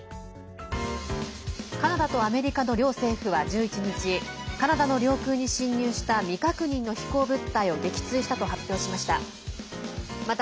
カナダとアメリカの両政府は１１日カナダの領空に侵入した未確認の飛行物体を撃墜したと発表しました。